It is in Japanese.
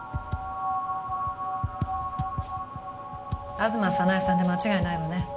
吾妻早苗さんで間違いないわね。